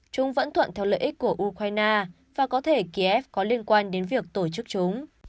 chúng vẫn thuận theo lợi ích của ukraine và có thể kiev có liên quan đến việc tổ chức chúng